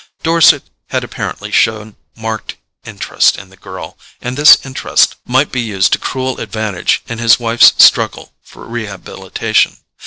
Dorset had apparently shown marked interest in the girl, and this interest might be used to cruel advantage in his wife's struggle for rehabilitation.